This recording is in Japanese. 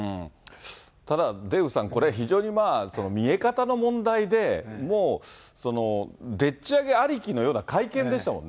ただデーブさん、これ、非常に見え方の問題で、もうでっち上げありきのような会見でしたもんね。